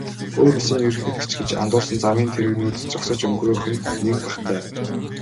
Өөр улсын ерөнхийлөгч гэж андуурсан замын тэрэгнүүд зогсож өнгөрөөх нь нэн бахтай.